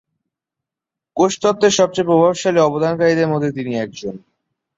কোষ তত্ত্বের সবচেয়ে প্রভাবশালী অবদানকারীদের মধ্যে তিনি একজন।